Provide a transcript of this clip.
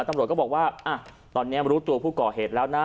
ตำรวจก็บอกว่าตอนนี้รู้ตัวผู้ก่อเหตุแล้วนะ